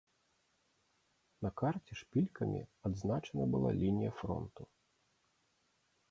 На карце шпількамі адзначана была лінія фронту.